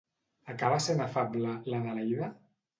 Acaba sent afable, l'Adelaida?